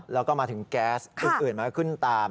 แล้วก็มาถึงแก๊สอื่นมันก็ขึ้นตาม